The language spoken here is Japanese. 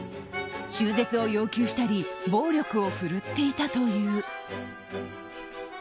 中絶を要求したり暴力を振るっていたという。